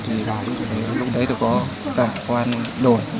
thì lúc đấy tôi có cả công an đổi